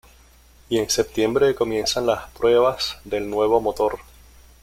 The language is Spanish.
Y en septiembre comienzan las pruebas del nuevo motor.